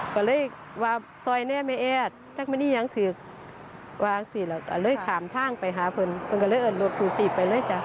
ก็เลยวาซอยแน่แม่แอดจากมันอียางถือกวาสิละก็เลยขามทางไปหาเพลินเพราะก็เลยเอาลูกถูกสีบไปเลยจ้ะ